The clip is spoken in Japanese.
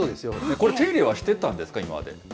これ、手入れはしてたんですか、今まで。